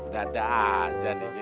dadah jangan bikin jahil